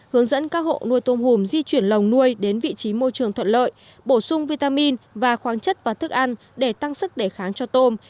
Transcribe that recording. hướng dẫn các hộ nuôi tôm hùm di chuyển lồng nuôi đến vị trí môi trường thuận lợi bổ sung vitamin và khoáng chất và thức ăn để tăng sức đề kháng cho tôm